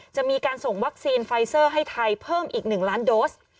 จะมีการส่งวัคซีนไฟเซอร์ให้ไทยเพิ่มอีก๑ล้านโดส